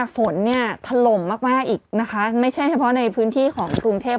ฝนเนี่ยถล่มมากมากอีกนะคะไม่ใช่เฉพาะในพื้นที่ของกรุงเทพ